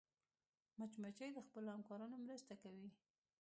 مچمچۍ د خپلو همکارانو مرسته کوي